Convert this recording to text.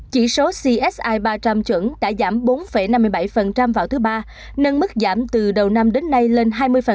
chỉ số csi ba trăm linh chuẩn đã giảm bốn năm mươi bảy vào thứ ba nâng mức giảm từ đầu năm đến nay lên hai mươi